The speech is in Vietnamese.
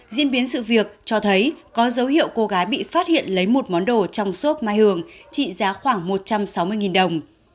diễn biến sự việc cho thấy có dấu hiệu cô gái bị phát hiện lấy một món đồ trong xốp mai hường trị giá khoảng một trăm sáu mươi đồng